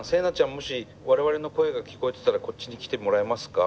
もし我々の声が聴こえてたらこっちに来てもらえますか？